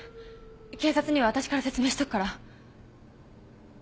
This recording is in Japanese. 警察には私から説明しとくから。